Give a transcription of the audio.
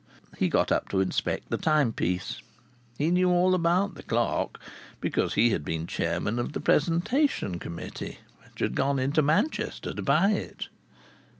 He got up to inspect the timepiece. He knew all about the clock, because he had been chairman of the presentation committee which had gone to Manchester to buy it.